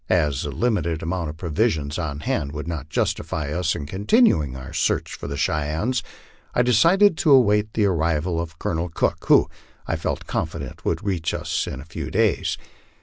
As the limited amount of provisions on hand would not justify us in continuing our search for the Cheyennes, I decided to await the arrival of Colonel Cook, who, I felt confident, would reach us in a few daj s.